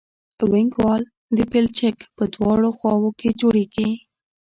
وینګ وال د پلچک په دواړو خواو کې جوړیږي